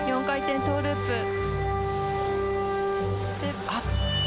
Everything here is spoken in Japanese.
４回転トウループ。